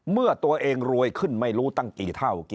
เมื่อตัวเองรวยขึ้นไม่รู้ตั้งกี่เท่า